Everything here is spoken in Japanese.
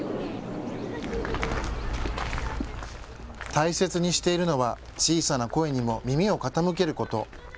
大切にしているのは小さな声にも耳を傾けること。